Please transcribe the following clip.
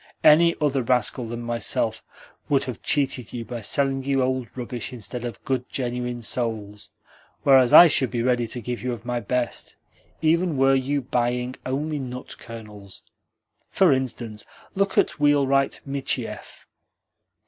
Any other rascal than myself would have cheated you by selling you old rubbish instead of good, genuine souls, whereas I should be ready to give you of my best, even were you buying only nut kernels. For instance, look at wheelwright Michiev.